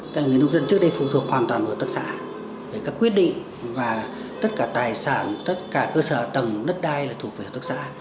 tức là người nông dân trước đây phụ thuộc hoàn toàn vào hợp tác xã về các quyết định và tất cả tài sản tất cả cơ sở tầng đất đai là thuộc về hợp tác xã